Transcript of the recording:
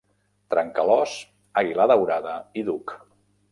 Trencalòs, àguila daurada i Duc.